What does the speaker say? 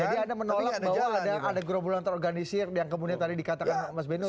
jadi anda menolak bahwa ada gerobolan terorganisir yang kemudian tadi dikatakan mas benny